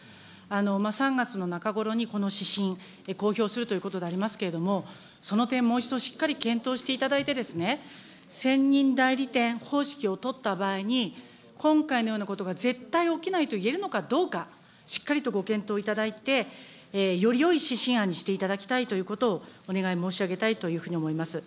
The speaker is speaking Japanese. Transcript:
３月の中頃にこの指針、公表するということでありますけれども、その点、もう一度しっかり検討していただいてですね、専任代理店方式を取った場合に、今回のようなことが絶対起きないと言えるのかどうか、しっかりとご検討いただいて、よりよい指針案にしていただきたいということをお願い申し上げたいというふうに思います。